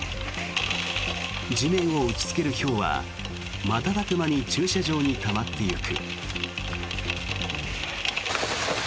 地面を打ちつけるひょうは瞬く間に駐車場にたまっていく。